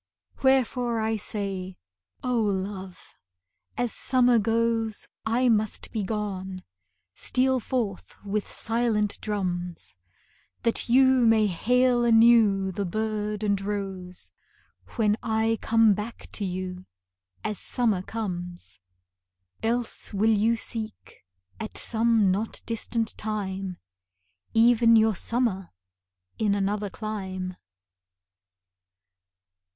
Wherefore I say: O love, as summer goes, I must be gone, steal forth with silent drums, That you may hail anew the bird and rose When I come back to you, as summer comes. Else will you seek, at some not distant time, Even your summer in another clime.